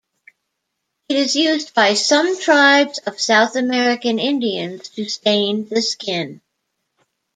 It is used by some tribes of South American Indians to stain the skin.